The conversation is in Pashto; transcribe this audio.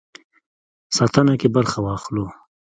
ساتنه کې برخه واخلو.